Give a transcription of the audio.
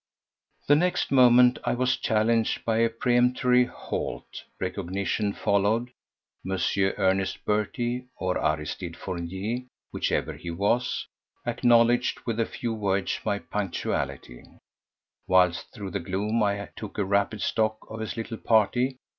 The next moment I was challenged by a peremptory "Halt!" Recognition followed. M. Ernest Berty, or Aristide Fournier, whichever he was, acknowledged with a few words my punctuality, whilst through the gloom I took rapid stock of his little party.